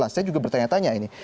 saya juga bertanya tanya ini